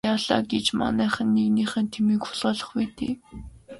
Яалаа гэж манайхан нэгнийхээ тэмээг хулгайлах вэ дээ.